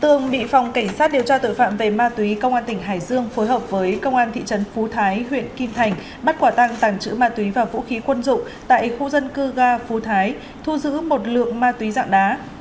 tường bị phòng cảnh sát điều tra tội phạm về ma túy công an tỉnh hải dương phối hợp với công an thị trấn phú thái huyện kim thành bắt quả tàng tàng trữ ma túy và vũ khí quân dụng tại khu dân cư ga phú thái thu giữ một lượng ma túy dạng đá